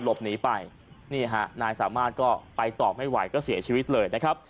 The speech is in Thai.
หลบหนีไปนี่ฮะนายสามารถก็ไปต่อไม่ไหวก็เสียชีวิตเลยนะครับ